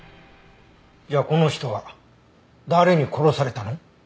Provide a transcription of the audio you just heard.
じゃあこの人は誰に殺されたの？